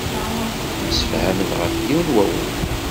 Msefhamen ɣef yiwen wawal.